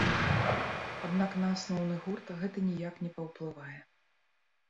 Аднак, на асноўны гурт гэта ніяк не паўплывае.